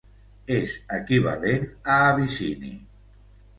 És equivalent a abissini.